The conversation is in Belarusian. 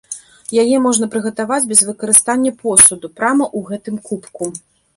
Яе можна прыгатаваць без выкарыстання посуду прама ў гэтым кубку.